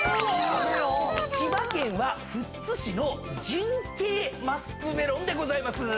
千葉県は富津市の純系マスクメロンでございます。